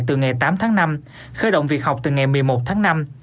từ ngày tám tháng năm khởi động việc học từ ngày một mươi một tháng năm